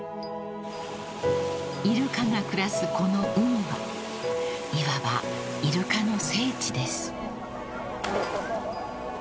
［イルカが暮らすこの海はいわばイルカの聖地です］